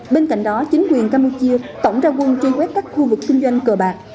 bên cạnh đó chính quyền campuchia tổng ra quân truy quét các khu vực kinh doanh cờ bạc